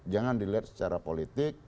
jangan dilihat secara politik